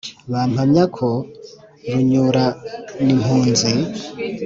Bampamya ko Runyuranimpunzi